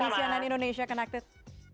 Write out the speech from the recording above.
terima kasih ananya indonesia connected